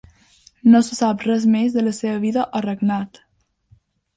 No se sap res més de la seva vida o regnat.